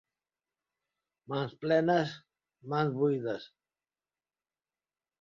Mans plenes, mans buides.